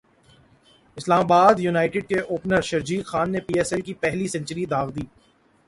اسلام United کے opener Sharjeel Khan نے P S L کی پہلی سنچری داغ دی